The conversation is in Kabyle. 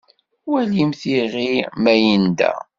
Walimt iɣi ma yenda.